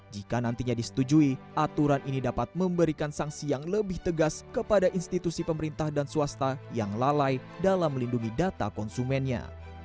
jika nantinya disetujui aturan ini dapat memberikan sanksi yang lebih tegas kepada institusi pemerintah dan swasta yang lalai dalam melindungi data konsumennya